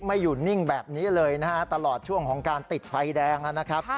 อยู่นิ่งแบบนี้เลยนะฮะตลอดช่วงของการติดไฟแดงนะครับ